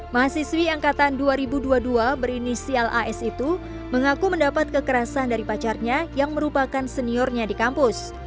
mahasiswi angkatan dua ribu dua puluh dua berinisial as itu mengaku mendapat kekerasan dari pacarnya yang merupakan seniornya di kampus